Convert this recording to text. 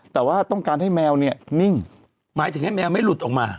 แต่ว่าต้องการให้แมวเนี่ยนิ่งหมายถึงให้แมวไม่หลุดออกมา